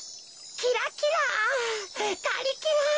キラキラガリキラ。